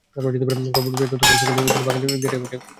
খবর পেয়ে গতকাল সকালে তিনি বাগানে গিয়ে কাটা গাছ পড়ে থাকতে দেখেন।